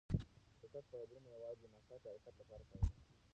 چټک فایبرونه یوازې د ناڅاپي حرکت لپاره کارول کېږي.